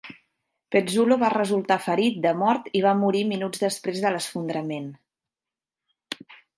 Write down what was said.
Pezzulo va resultar ferit de mort i va morir minuts després de l'esfondrament.